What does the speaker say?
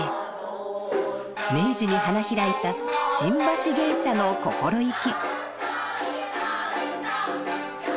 明治に花開いた新橋芸者の心意気。